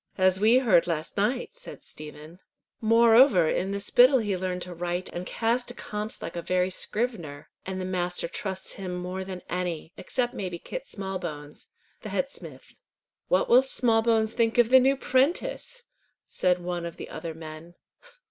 "As we heard last night," said Stephen. "Moreover in the spital he learnt to write and cast accompts like a very scrivener, and the master trusts him more than any, except maybe Kit Smallbones, the head smith." "What will Smallbones think of the new prentice!" said one of the other men.